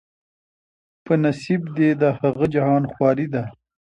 په نصیب دي د هغه جهان خواري ده